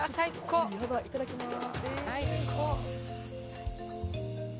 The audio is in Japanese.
いただきます。